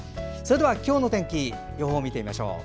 今日の天気予報を見てみましょう。